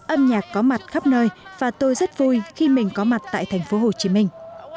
âm nhạc có mặt khắp nơi và tôi rất vui khi mình có mặt tại thành phố hồ chí minh